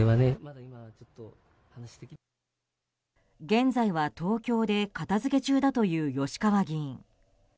現在は東京で片付け中だという吉川議員。